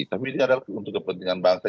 tapi ini adalah untuk kepentingan bangsa